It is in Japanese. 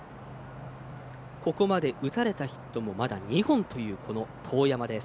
ここまで打たれたヒットもまだ２本という當山。